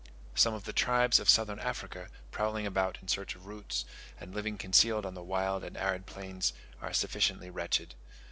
Some of the tribes of Southern Africa prowling about in search of roots, and living concealed on the wild and arid plains, are sufficiently wretched.